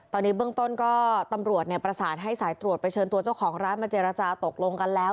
ตอนนี้เบื้องต้นก็ตำรวจประสานให้สายตรวจไปเชิญตัวเจ้าของร้านมาเจรจาตกลงกันแล้ว